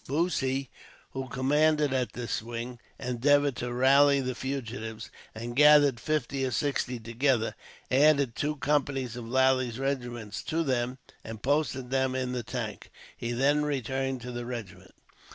Bussy, who commanded at this wing, endeavoured to rally the fugitives, and gathering fifty or sixty together, added two companies of Lally's regiment to them, and posted them in the tank; he then returned to the regiment.